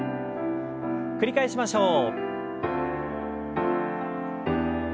繰り返しましょう。